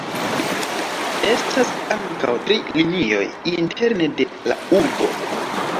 Estas ankaŭ tri linioj interne de la urbo.